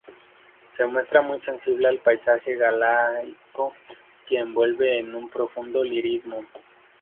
Se muestra muy sensible al paisaje galaico que envuelve en un profundo lirismo.